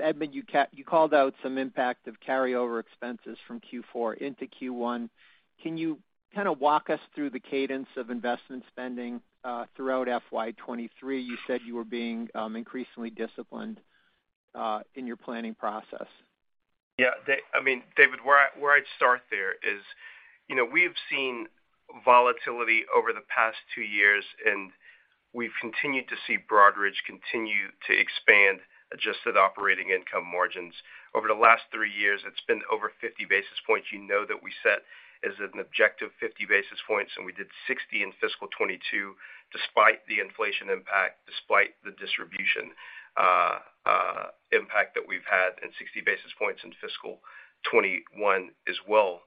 Edmund, you called out some impact of carryover expenses from Q4 into Q1. Can you kind of walk us through the cadence of investment spending throughout FY 2023? You said you were being increasingly disciplined in your planning process. Yeah. I mean, David, where I'd start there is, you know, we've seen volatility over the past 2 years, and we've continued to see Broadridge continue to expand adjusted operating income margins. Over the last 3 years, it's been over 50 basis points. You know that we set as an objective 50 basis points, and we did 60 in fiscal 2022 despite the inflation impact, despite the distribution impact that we've had, and 60 basis points in fiscal 2021 as well.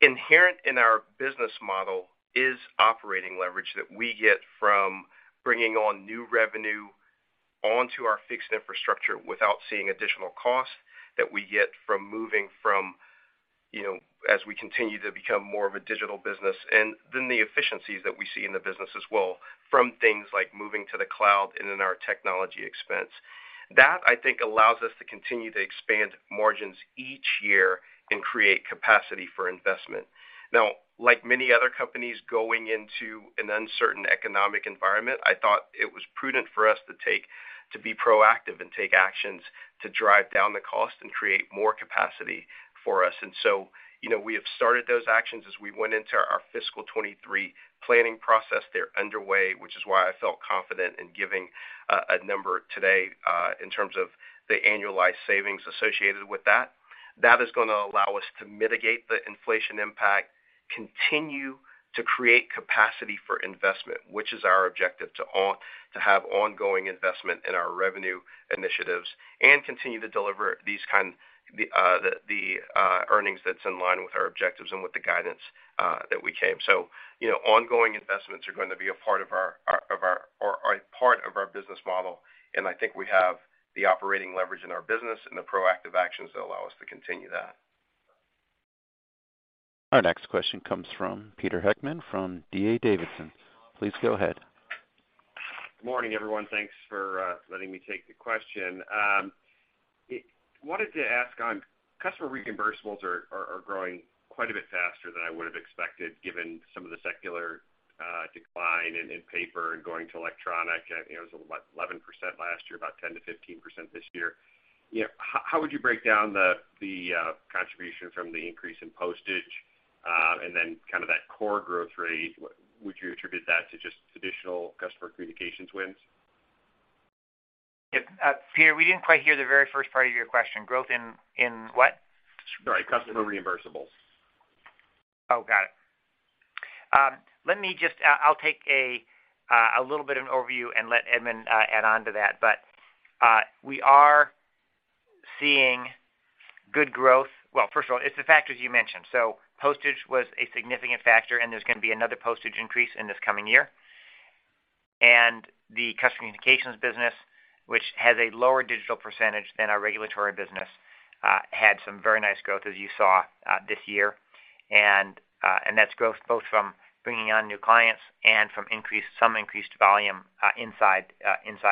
Inherent in our business model is operating leverage that we get from bringing on new revenue onto our fixed infrastructure without seeing additional costs that we get from moving from, you know, as we continue to become more of a digital business. The efficiencies that we see in the business as well from things like moving to the cloud and in our technology expense. That I think allows us to continue to expand margins each year and create capacity for investment. Now, like many other companies going into an uncertain economic environment, I thought it was prudent for us to be proactive and take actions to drive down the cost and create more capacity for us. You know, we have started those actions as we went into our fiscal 2023 planning process. They're underway, which is why I felt confident in giving a number today in terms of the annualized savings associated with that. That is gonna allow us to mitigate the inflation impact, continue to create capacity for investment, which is our objective to have ongoing investment in our revenue initiatives and continue to deliver the earnings that's in line with our objectives and with the guidance that we gave. You know, ongoing investments are going to be a part of our business model. I think we have the operating leverage in our business and the proactive actions that allow us to continue that. Our next question comes from Pete Heckmann from D.A. Davidson. Please go ahead. Morning, everyone. Thanks for letting me take the question. I wanted to ask on customer reimbursables are growing quite a bit faster than I would have expected given some of the secular decline in paper and going to electronic. You know, it was, what, 11% last year, about 10%-15% this year. You know, how would you break down the contribution from the increase in postage? Kind of that core growth rate, would you attribute that to just traditional customer communications wins? Yeah, Pete, we didn't quite hear the very first part of your question. Growth in what? Sorry, customer reimbursables. Oh, got it. Let me just take a little bit of an overview and let Edmund add on to that. We are seeing good growth. Well, first of all, it's the factors you mentioned. Postage was a significant factor, and there's gonna be another postage increase in this coming year. The customer communications business, which has a lower digital percentage than our regulatory business, had some very nice growth as you saw this year. That's growth both from bringing on new clients and from increased volume inside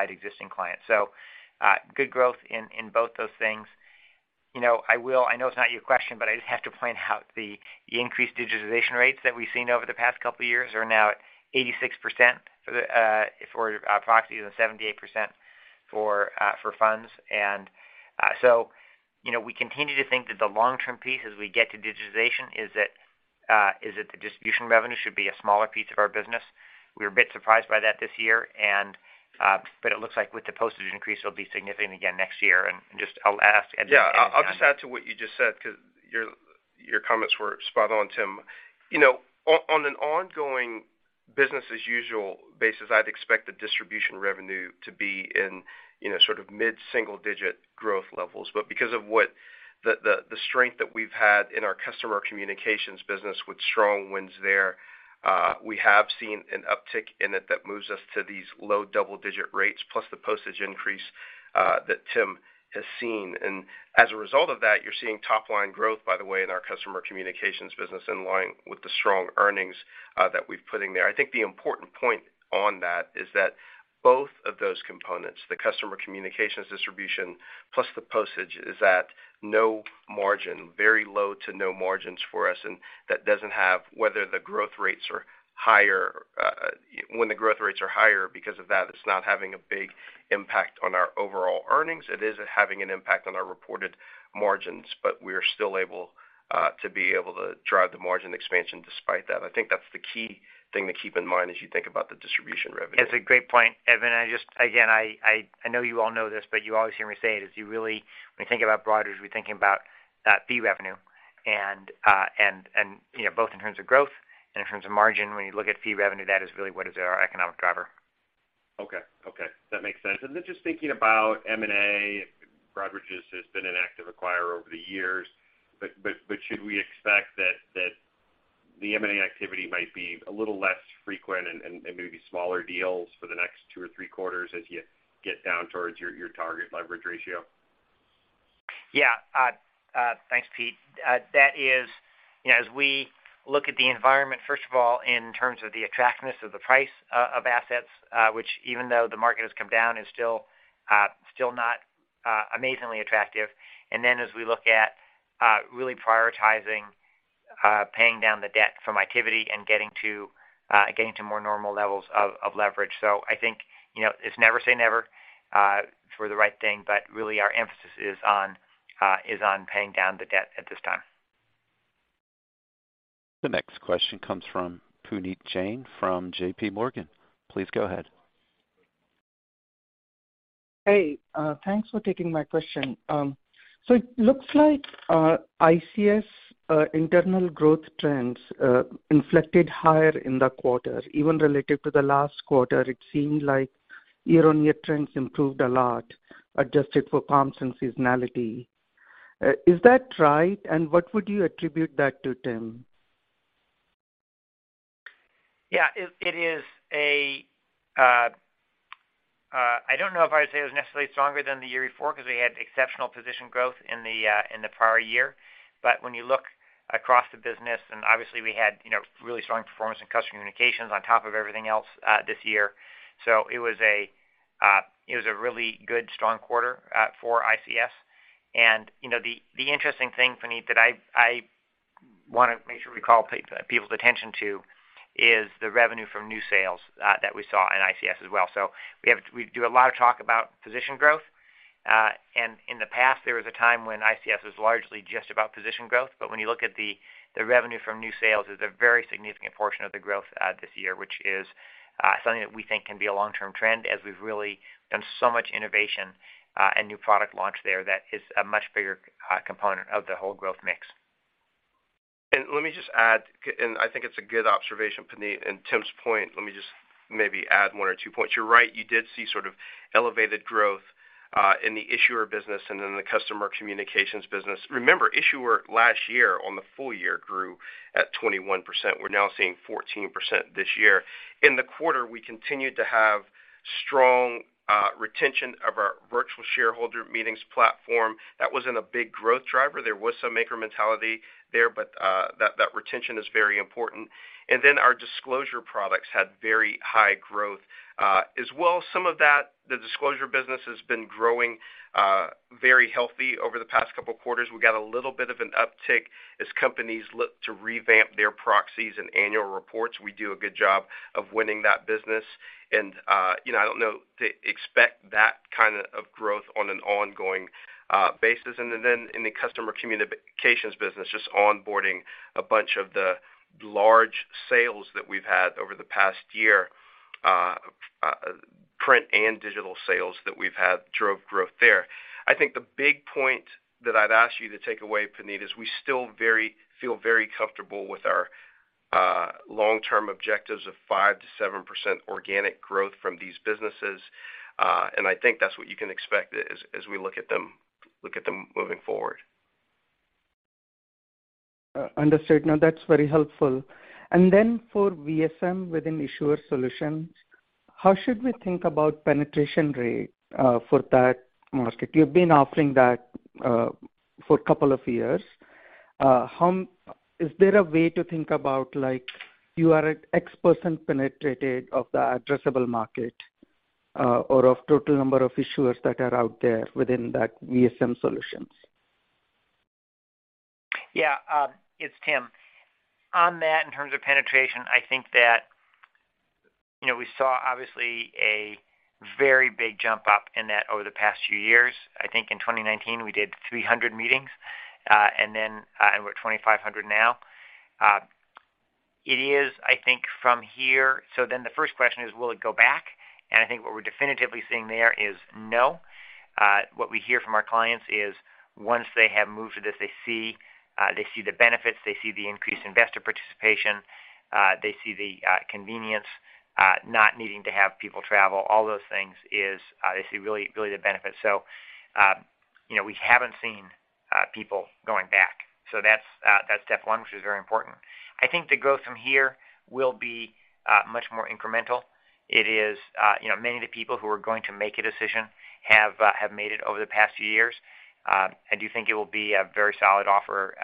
existing clients. Good growth in both those things. You know, I know it's not your question, but I just have to point out the increased digitization rates that we've seen over the past couple of years are now at 86% for the proxies and 78% for funds. You know, we continue to think that the long-term piece as we get to digitization is that the distribution revenue should be a smaller piece of our business. We're a bit surprised by that this year and but it looks like with the postage increase, it'll be significant again next year. Just I'll ask Edmund to add on. Yeah. I'll just add to what you just said 'cause your comments were spot on, Tim. You know, on an ongoing business as usual basis, I'd expect the distribution revenue to be in you know, sort of mid-single digit growth levels. Because of what the strength that we've had in our customer communications business with strong wins there, we have seen an uptick in it that moves us to these low double-digit rates, plus the postage increase that Tim has seen. As a result of that, you're seeing top line growth, by the way, in our customer communications business in line with the strong earnings that we've put in there. I think the important point on that is that both of those components, the customer communications distribution plus the postage, is at no margin, very low to no margins for us. That doesn't have whether the growth rates are higher. When the growth rates are higher because of that, it's not having a big impact on our overall earnings. It is having an impact on our reported margins, but we are still able to be able to drive the margin expansion despite that. I think that's the key thing to keep in mind as you think about the distribution revenue. It's a great point, Edmund. Again, I know you all know this, but you always hear me say it when we think about Broadridge, we're thinking about that fee revenue. You know, both in terms of growth and in terms of margin, when you look at fee revenue, that is really what is our economic driver. Okay. Okay, that makes sense. Just thinking about M&A, Broadridge has been an active acquirer over the years, but should we expect that the M&A Itiviti might be a little less frequent and maybe smaller deals for the next two or three quarters as you get down towards your target leverage ratio? Yeah. Thanks, Pete. You know, as we look at the environment, first of all, in terms of the attractiveness of the price of assets, which even though the market has come down, is still not amazingly attractive. Then as we look at really prioritizing paying down the debt from Itiviti and getting to more normal levels of leverage. I think you know, it's never say never for the right thing, but really our emphasis is on paying down the debt at this time. The next question comes from Puneet Jain from JPMorgan. Please go ahead. Hey, thanks for taking my question. It looks like ICS internal growth trends inflected higher in the quarter. Even relative to the last quarter, it seemed like year-on-year trends improved a lot, adjusted for comps and seasonality. Is that right? What would you attribute that to, Tim? I don't know if I would say it was necessarily stronger than the year before because we had exceptional position growth in the prior year. When you look across the business, and obviously we had, you know, really strong performance in customer communications on top of everything else, this year, so it was a really good strong quarter for ICS. You know, the interesting thing, Puneet, that I wanna make sure we call people's attention to is the revenue from new sales that we saw in ICS as well. We do a lot of talk about position growth. In the past there was a time when ICS was largely just about position growth. When you look at the revenue from new sales is a very significant portion of the growth this year, which is something that we think can be a long-term trend as we've really done so much innovation and new product launch there that is a much bigger component of the whole growth mix. Let me just add, and I think it's a good observation, Puneet, and Tim's point, let me just maybe add 1 or 2 points. You're right, you did see sort of elevated growth in the issuer business and in the customer communications business. Remember, issuer last year on the full year grew at 21%. We're now seeing 14% this year. In the quarter, we continued to have strong retention of our virtual shareholder meetings platform. That wasn't a big growth driver. There was some macro headwind there, but that retention is very important. And then our disclosure products had very high growth as well. Some of that, the disclosure business has been growing very healthy over the past couple quarters. We got a little bit of an uptick as companies look to revamp their proxies and annual reports. We do a good job of winning that business. You know, I don't know to expect that kind of growth on an ongoing basis. In the customer communications business, just onboarding a bunch of the large sales that we've had over the past year, print and digital sales that we've had drove growth there. I think the big point that I'd ask you to take away, Puneet, is we still feel very comfortable with our long-term objectives of 5%-7% organic growth from these businesses. I think that's what you can expect as we look at them moving forward. Understood. No, that's very helpful. For VSM within issuer solutions, how should we think about penetration rate for that market? You've been offering that for a couple of years. Is there a way to think about like you are at X% penetrated of the addressable market, or of total number of issuers that are out there within that VSM solutions? Yeah. It's Tim. On that in terms of penetration, I think that, you know, we saw obviously a very big jump up in that over the past few years. I think in 2019 we did 300 meetings, and then, and we're at 2,500 now. It is, I think from here. The first question is, will it go back? I think what we're definitively seeing there is no. What we hear from our clients is once they have moved to this, they see, they see the benefits, they see the increased investor participation, they see the, convenience, not needing to have people travel, all those things is, they see really, really the benefits. You know, we haven't seen people going back. That's step 1, which is very important. I think the growth from here will be much more incremental. It is, you know, many of the people who are going to make a decision have made it over the past few years. I do think it will be a very solid offer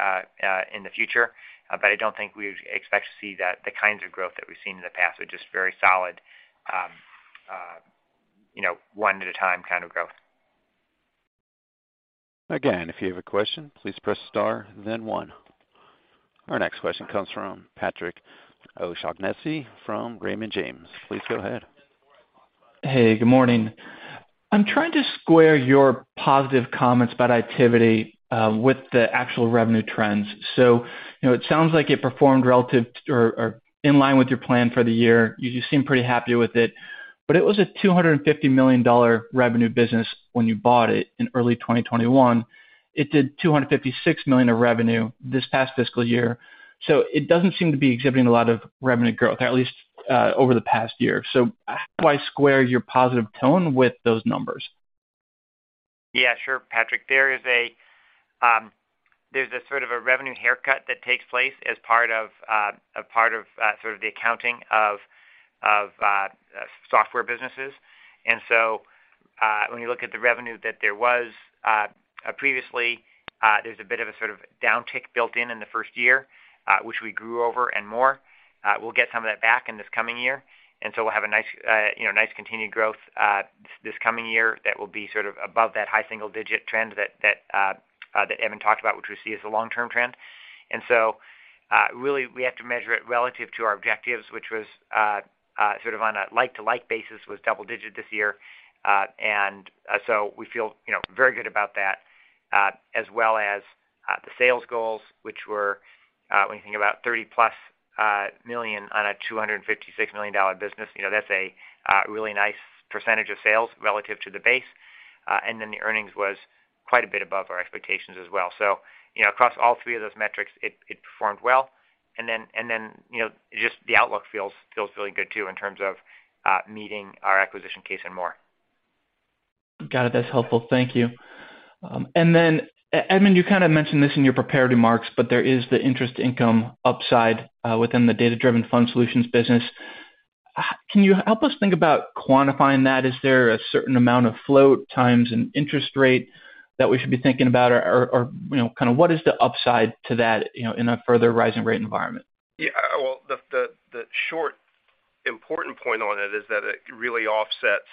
in the future, but I don't think we expect to see the kinds of growth that we've seen in the past. Just very solid, you know, one at a time kind of growth. Again, if you have a question, please press star then 1. Our next question comes from Patrick O'Shaughnessy from Raymond James. Please go ahead. Hey, good morning. I'm trying to square your positive comments about Itiviti with the actual revenue trends. You know, it sounds like it performed relatively or in line with your plan for the year. You seem pretty happy with it. It was a $250 million revenue business when you bought it in early 2021. It did $256 million of revenue this past fiscal year. It doesn't seem to be exhibiting a lot of revenue growth, at least over the past year. How do I square your positive tone with those numbers? Yeah, sure, Patrick. There's a sort of a revenue haircut that takes place as part of sort of the accounting of software businesses. When you look at the revenue that there was previously, there's a bit of a sort of downtick built in in the 1st year, which we grew over and more. We'll get some of that back in this coming year, and so we'll have a nice, you know, nice continued growth this coming year that will be sort of above that high single digit trend that Edmund talked about, which we see as a long-term trend. Really, we have to measure it relative to our objectives, which was sort of on a like-to-like basis, double-digit this year. We feel, you know, very good about that, as well as the sales goals, which were, when you think about $30+ million on a $256 million business. You know, that's a really nice percentage of sales relative to the base. Then the earnings was quite a bit above our expectations as well. You know, across all three of those metrics, it performed well. Just the outlook feels really good too in terms of meeting our acquisition case and more. Got it. That's helpful. Thank you. Edmund, you kind of mentioned this in your prepared remarks, but there is the interest income upside within the Fund Communication Solutions business. Can you help us think about quantifying that? Is there a certain amount of float times and interest rate that we should be thinking about? Or, you know, kind of what is the upside to that, you know, in a further rise in rate environment? Yeah. Well, the short important point on it is that it really offsets,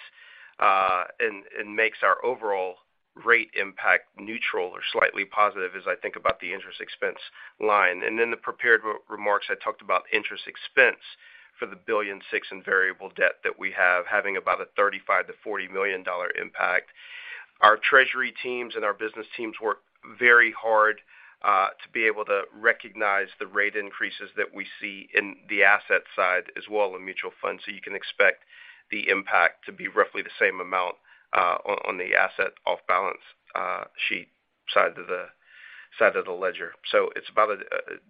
and makes our overall rate impact neutral or slightly positive as I think about the interest expense line. In the prepared remarks, I talked about interest expense for the $1.6 billion in variable debt that we have having about a $35 million-$40 million impact. Our treasury teams and our business teams work very hard to be able to recognize the rate increases that we see in the asset side as well in mutual funds. You can expect the impact to be roughly the same amount on the asset off-balance-sheet side to the ledger. It's about a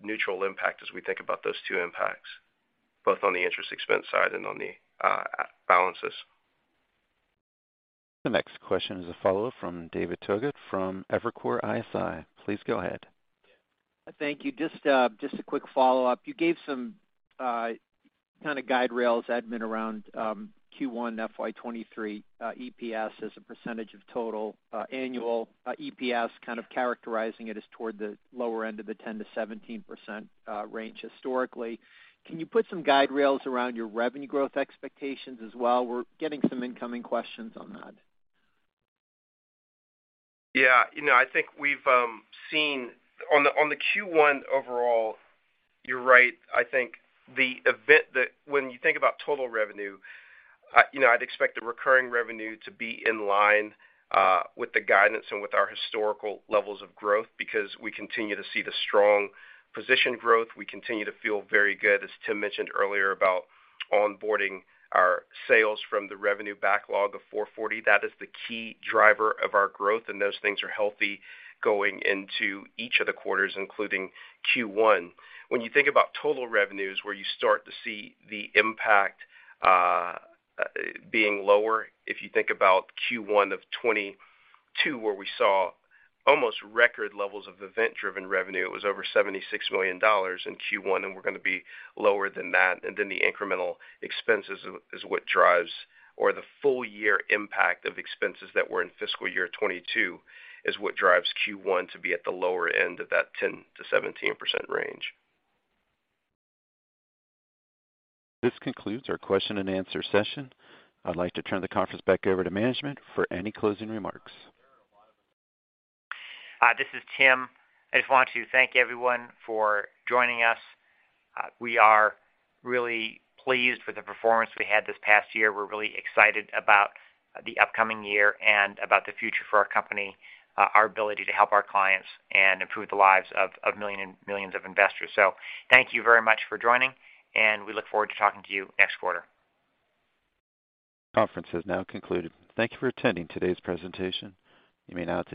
neutral impact as we think about those two impacts, both on the interest expense side and on the balances. The next question is a follow from David Togut from Evercore ISI. Please go ahead. Thank you. Just a quick follow-up. You gave some kind of guide rails, Edmund, around Q1 FY 2023 EPS as a percentage of total annual EPS, kind of characterizing it as toward the lower end of the 10%-17% range historically. Can you put some guide rails around your revenue growth expectations as well? We're getting some incoming questions on that. Yeah. You know, I think we've seen. On the Q1 overall, you're right. I think the event that when you think about total revenue, you know, I'd expect the recurring revenue to be in line with the guidance and with our historical levels of growth because we continue to see the strong position growth. We continue to feel very good, as Tim mentioned earlier, about onboarding our sales from the revenue backlog of $440 million. That is the key driver of our growth, and those things are healthy going into each of the quarters, including Q1. When you think about total revenues, where you start to see the impact being lower, if you think about Q1 of 2022, where we saw almost record levels of event-driven revenue, it was over $76 million in Q1, and we're gonna be lower than that. The full year impact of expenses that were in fiscal year 2022 is what drives Q1 to be at the lower end of that 10%-17% range. This concludes our question and answer session. I'd like to turn the conference back over to management for any closing remarks. This is Tim. I just want to thank everyone for joining us. We are really pleased with the performance we had this past year. We're really excited about the upcoming year and about the future for our company, our ability to help our clients and improve the lives of millions and millions of investors. Thank you very much for joining, and we look forward to talking to you next quarter. Conference has now concluded. Thank you for attending today's presentation. You may now disconnect.